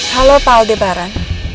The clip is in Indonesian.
halo pak aldebaran